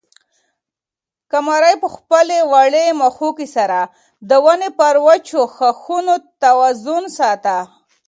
قمرۍ په خپلې وړې مښوکې سره د ونې پر وچو ښاخونو توازن ساته.